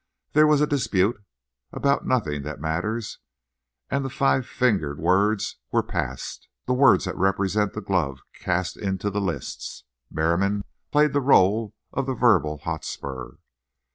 There was a dispute—about nothing that matters—and the five fingered words were passed—the words that represent the glove cast into the lists. Merriam played the rôle of the verbal Hotspur.